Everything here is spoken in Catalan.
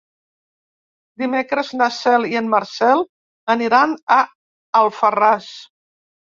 Dimecres na Cel i en Marcel aniran a Alfarràs.